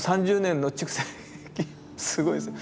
すごいですね。